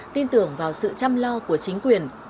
tin tưởng vào sự chăm lo của chính quyền